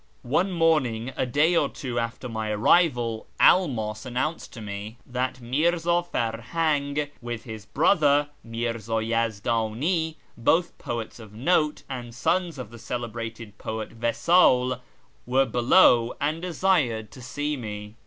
One morning, a day or two after my arrival, Elmas an nounced to me that Mirza Farhang, with his brother Mirzd Yezdani (both poets of note, and sons of the celebrated poet Wisal), were below and desired to see me.